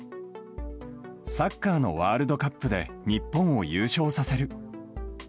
サッカーのワールドカップで日本を優勝させる。